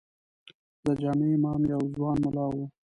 د جامع امام یو ځوان ملا و.